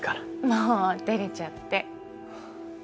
もう照れちゃって。